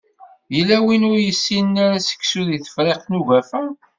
Yella win ur yessinen ara seksu deg Tefriqt n ugafa